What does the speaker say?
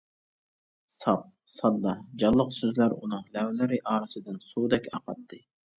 ساپ، ساددا، جانلىق سۆزلەر ئۇنىڭ لەۋلىرى ئارىسىدىن سۇدەك ئاقاتتى.